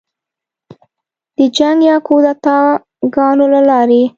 د جنګ یا کودتاه ګانو له لارې